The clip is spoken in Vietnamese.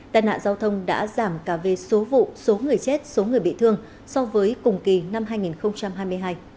tài nạn giao thông đã giảm cả về số vụ số người chết số người bị thương so với cùng kỳ năm hai nghìn hai mươi hai